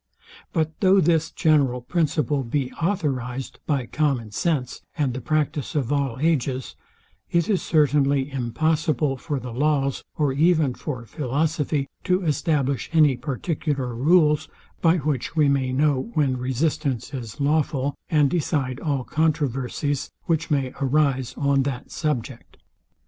But though this general principle be authorized by common sense, and the practice of all ages, it is certainly impossible for the laws, or even for philosophy, to establish any particular rules, by which we may know when resistance is lawful; and decide all controversies, which may arise on that subject.